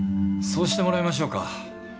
そうしてもらいましょうか。